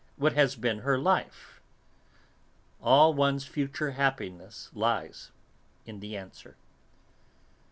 What has been her life?' All one's future happiness lies in the answer."